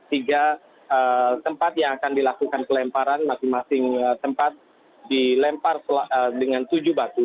tiga tempat yang akan dilakukan pelemparan masing masing tempat dilempar dengan tujuh batu